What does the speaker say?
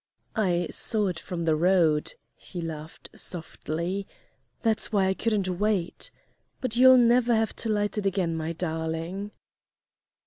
"I saw it from the road," he laughed softly, "that's why I couldn't wait. But you'll never have to light it again, my darling!"